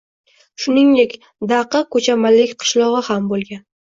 Shuningdek, Daqi Ko‘chamalik qishlog‘i ham bo‘lgan